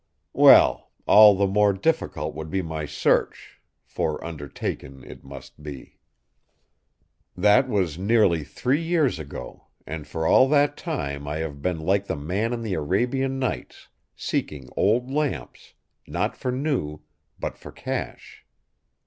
Well! all the more difficult would be my search; for undertaken it must be! "That was nearly three years ago; and for all that time I have been like the man in the Arabian Nights, seeking old lamps, not for new, but for cash.